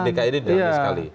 dki ini dinamis sekali